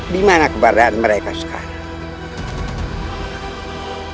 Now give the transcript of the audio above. di mana keberadaan mereka sekarang